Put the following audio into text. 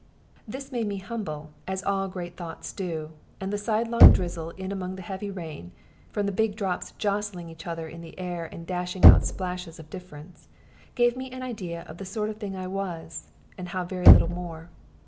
This made me humble, as all great thoughts do, and the sidelong drizzle in among the heavy rain (from the big drops jostling each other in the air, and dashing out splashes of difference) gave me an idea of the sort of thing I was and how very little more.